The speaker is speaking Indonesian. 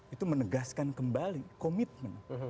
itu menegaskan kembali komitmen